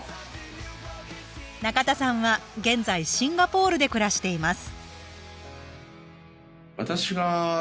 中田さんは現在シンガポールで暮らしています